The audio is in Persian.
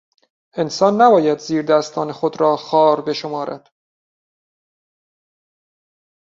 انسان نباید زیردستان خود را خوار بشمارد.